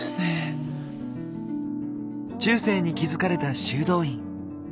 中世に築かれた修道院。